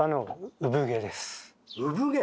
産毛？